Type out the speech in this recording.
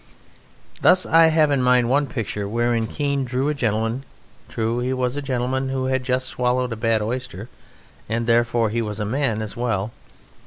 Thus I have in mind one picture wherein Keene drew a gentleman; true, he was a gentleman who had just swallowed a bad oyster, and therefore he was a man as well.